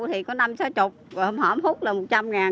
thì có năm sáu mươi hổng hút là một trăm linh ngàn